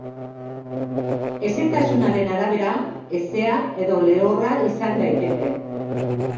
Hezetasunaren arabera, hezea edo lehorra izan daiteke.